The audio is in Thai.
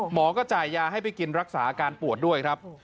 หมอก็จ่ายยาให้ไปกินรักษาอาการปวดด้วยครับ